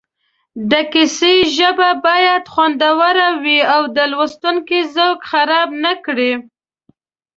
د کیسې ژبه باید خوندوره وي او د لوستونکي ذوق خراب نه کړي